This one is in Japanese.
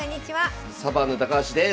サバンナ高橋です。